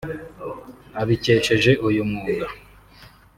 abikesheje uyu mwuga